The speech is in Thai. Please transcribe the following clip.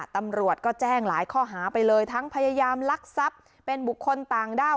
ตำรวจก็แจ้งหลายข้อหาไปเลยทั้งพยายามลักทรัพย์เป็นบุคคลต่างด้าว